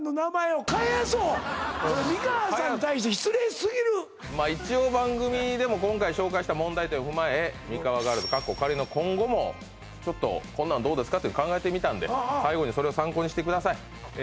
これ美川さんに対して失礼すぎる一応番組でも今回紹介した問題点を踏まえミカワガールズの今後もちょっとこんなんどうですか？って考えてみたんで最後にそれを参考にしてくださいえ